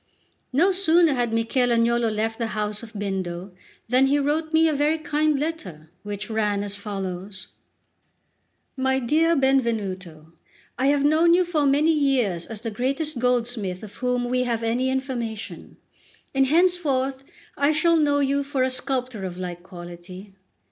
No sooner had Michel Agnolo left the house of Bindo than he wrote me a very kind letter, which ran as follows: "My dear Benvenuto, I have known you for many years as the greatest goldsmith of whom we have any information; and henceforward I shall know you for a sculptor of like quality.